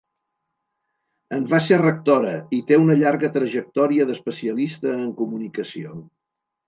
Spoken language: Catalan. En va ser rectora i té una llarga trajectòria d’especialista en comunicació.